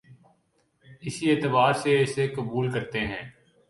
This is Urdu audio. اسی اعتبار سے اسے قبول کرتے ہیں